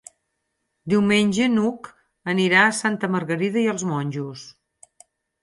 Diumenge n'Hug anirà a Santa Margarida i els Monjos.